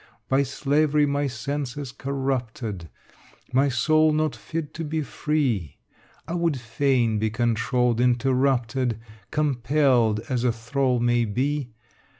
By slavery my sense is corrupted, My soul not fit to be free: I would fain be controlled, interrupted, Compelled as a thrall may be.